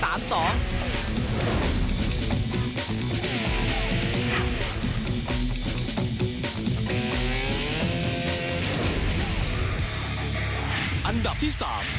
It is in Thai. อันดับที่๓